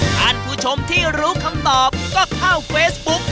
ท่านผู้ชมที่รู้คำตอบก็เข้าเฟซบุ๊ก